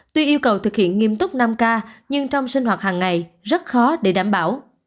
tuy yêu cầu thực hiện nghiêm túc năm k nhưng trong sinh hoạt hàng ngày rất khó để đảm bảo